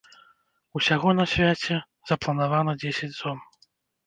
Усяго на свяце запланавана дзесяць зон.